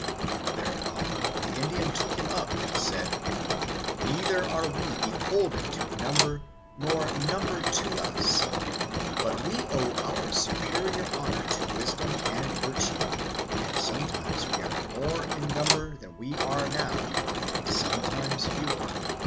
Thereupon the Indian took him up and said: "Neither are we beholden to number nor number to us, but we owe our superior honour to wisdom and virtue; and sometimes we are more in number than we now are, and sometimes fewer..